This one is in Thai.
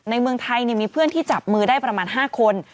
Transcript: เมืองไทยมีเพื่อนที่จับมือได้ประมาณ๕คน